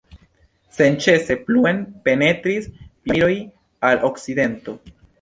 Senĉese pluen penetris pioniroj al okcidento.